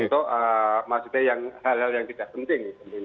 untuk maksudnya hal hal yang tidak penting